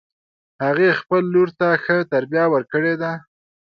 هغې خپل لور ته ښه تربیه ورکړې ده